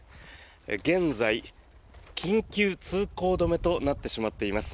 現在、緊急通行止めとなってしまっています。